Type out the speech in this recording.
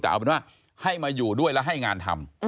แต่เอาเป็นว่าให้มาอยู่ด้วยแล้วให้งานทำ